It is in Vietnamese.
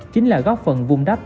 chính là góp phần vung đắp